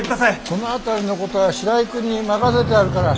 その辺りのことは白井君に任せてあるから。